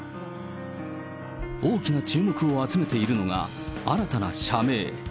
大きな注目を集めているのが、新たな社名。